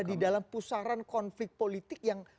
di dalam pusaran konflik politik yang